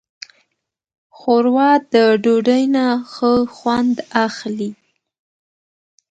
ښوروا د ډوډۍ نه ښه خوند اخلي.